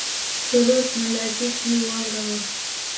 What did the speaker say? په رود ملازۍ کښي واوره اوري.